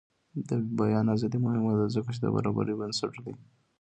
د بیان ازادي مهمه ده ځکه چې د برابرۍ بنسټ دی.